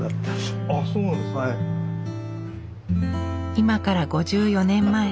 今から５４年前。